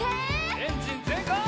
エンジンぜんかい！